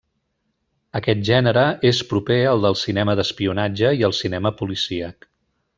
Aquest gènere és proper al del cinema d'espionatge i el cinema policíac.